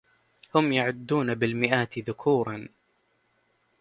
هم يعدون بالمئات ذكورا